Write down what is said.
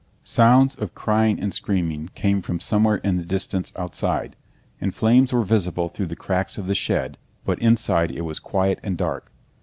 Sounds of crying and screaming came from somewhere in the distance outside, and flames were visible through the cracks of the shed, but inside it was quiet and dark.